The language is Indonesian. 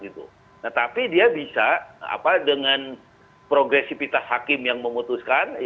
tetapi dia bisa dengan progresifitas hakim yang memutuskan